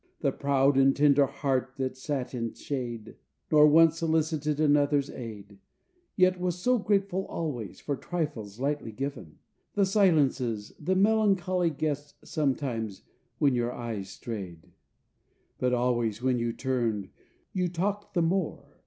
The proud and tender heart that sat in shade Nor once solicited another's aid, Yet was so grateful always For trifles lightly given, The silences, the melancholy guessed Sometimes, when your eyes strayed. But always when you turned, you talked the more.